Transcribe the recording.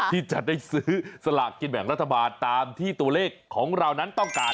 ที่จะได้ซื้อสลากกินแบ่งรัฐบาลตามที่ตัวเลขของเรานั้นต้องการ